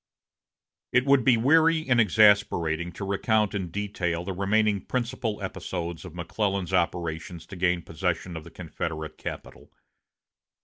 It would be weary and exasperating to recount in detail the remaining principal episodes of McClellan's operations to gain possession of the Confederate capital.